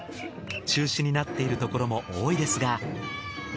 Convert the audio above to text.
中止になっているところも多いですが。